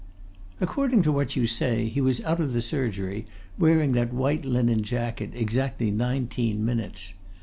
"According to what you say he was out of the surgery, wearing that white linen jacket, exactly nineteen minutes.